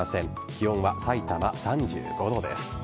気温はさいたま３５度です。